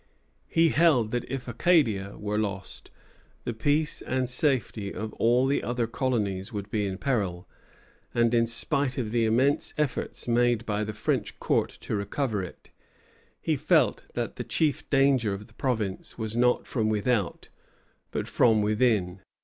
He held that if Acadia were lost, the peace and safety of all the other colonies would be in peril; and in spite of the immense efforts made by the French court to recover it, he felt that the chief danger of the province was not from without, but from within.